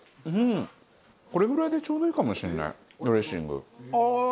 これぐらいでちょうどいいかもしれないドレッシング。